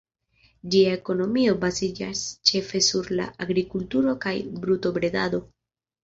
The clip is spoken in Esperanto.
Ĝia ekonomio baziĝas ĉefe sur la agrikulturo kaj brutobredado.